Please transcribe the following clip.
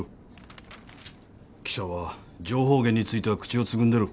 記者は情報源については口をつぐんでる。